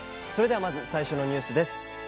それではまず最初のニュースです。